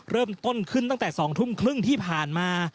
เริ่มต้นขึ้นตั้งแต่๒ทุ่มครึ่งที่ผ่านมา